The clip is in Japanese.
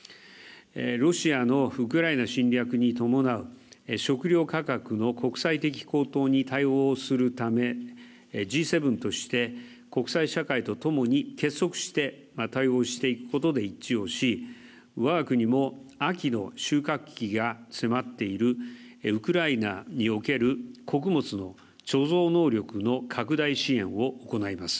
ロシアのウクライナ侵略に伴う食料価格の国際的高騰に対応するためＧ７として国際社会とともに結束して対応していくことで一致をしわが国も秋の収穫期が迫っているウクライナにおける穀物の貯蔵能力の拡大支援を行います。